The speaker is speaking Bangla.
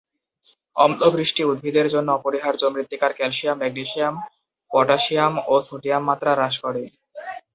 অম্লবৃষ্টি উদ্ভিদের জন্য অপরিহার্য মৃত্তিকার ক্যালসিয়াম, ম্যাগনেসিয়াম, পটাসিয়াম ও সোডিয়ামের মাত্রা হ্রাস করে।